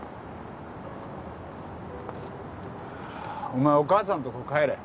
お前お母さんとこ帰れ。